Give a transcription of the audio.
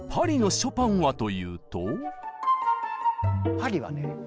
パリはね